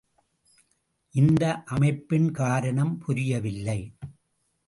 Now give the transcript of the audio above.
இந்த அமைப்பின் காரணம் புரியவில்லை.